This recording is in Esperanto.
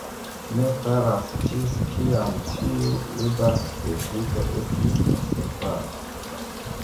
Ne klaras ĝis kiam tiu juda devigo estis observata.